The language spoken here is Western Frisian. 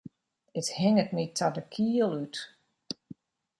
It hinget my ta de kiel út.